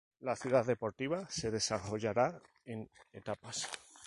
La Ciudad Deportiva se desarrollará en etapas.